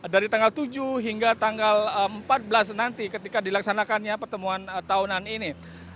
dari tanggal tujuh hingga tanggal empat belas nanti ketika dilaksanakannya pertemuan tahunan ini